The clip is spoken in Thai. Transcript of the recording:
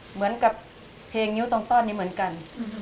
เหมือนกับเพลงนิ้วตรงต้อนนี้เหมือนกัน